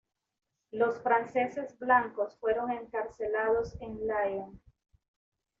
Los franceses blancos fueron encarcelados en Lyon.